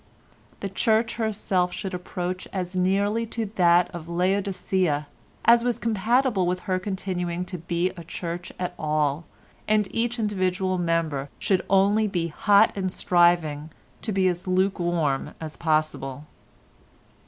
The Church herself should approach as nearly to that of Laodicea as was compatible with her continuing to be a Church at all, and each individual member should only be hot in striving to be as lukewarm as possible.